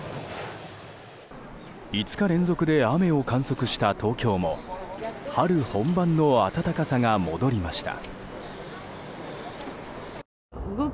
５日連続で雨を観測した東京も春本番の暖かさが戻りました。